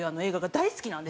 大好き。